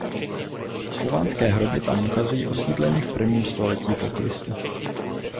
Slovanské hroby tam ukazují osídlení v prvním století po Kristu.